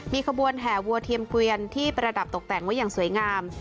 มีขบวนแห่วัวเทียมเกวียนที่ประดับตกแต่งไว้อย่างสวยงาม